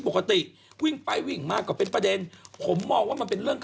เพราะว่าเค้าเป็นคนโพสต์เอง